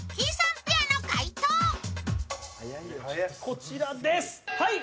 こちらです、はい。